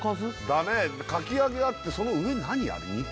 だねかき揚げあってその上何あれ肉？